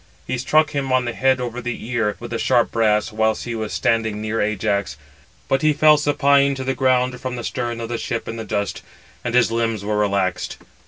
He struck him on the head over the ear, with the sharp brass, whilst he was standing near Ajax: but he fell supine to the ground from the stern of the ship in the dust, and his limbs were relaxed.